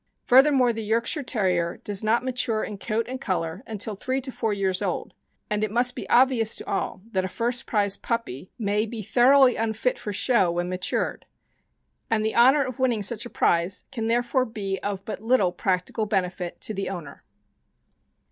Furthermore, the Yorkshire Terrier does not mature in coat and color until three to four years old, and it must be obvious to all that a first prize puppy may be thoroughly unfit for show when matured; and the honor of winning such a prize can therefore be of but little practical benefit to the owner.